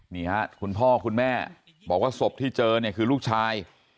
นี่ครับคุณพ่อคุณแม่บอกว่าศพที่เจอคือลูกชาย